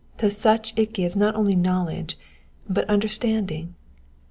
To such it gives not only knowledge, but understanding.